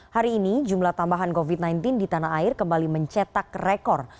hari ini jumlah tambahan covid sembilan belas di tanah air kembali mencetak rekor